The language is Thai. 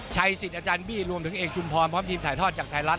สิทธิ์อาจารย์บี้รวมถึงเอกชุมพรพร้อมทีมถ่ายทอดจากไทยรัฐ